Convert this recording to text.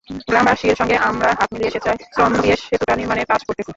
গ্রামবাসীর সঙ্গে আমরা হাত মিলিয়ে স্বেচ্ছায় শ্রম দিয়ে সেতুটা নির্মাণের কাজ করতেছি।